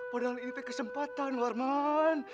padahal ini kesempatan warman